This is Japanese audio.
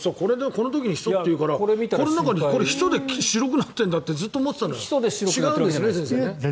この時にヒ素というからこれ、ヒ素で白くなってるんだってずっと思ってたら違うんですね。